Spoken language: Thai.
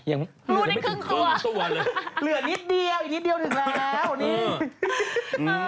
เหลือนิดเดียวอีกนิดเดียวถึงแล้ว